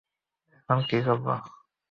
আমি এখন কী করবো?